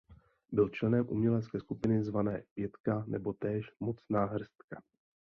Byl členem umělecké skupiny zvané „Pětka“ nebo též „Mocná hrstka“.